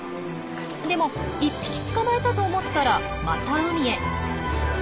でも１匹捕まえたと思ったらまた海へ。